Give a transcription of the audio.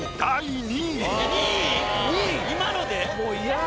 今ので？